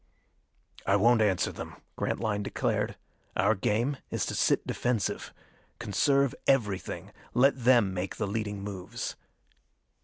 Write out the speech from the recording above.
"I won't answer them," Grantline declared. "Our game is to sit defensive. Conserve everything. Let them make the leading moves."